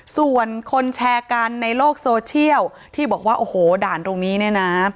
ส่วนคนแชร์กันในโลกโซเชียลที่บอกว่าโอ้โหด่านตรงนี้เนี่ยนะ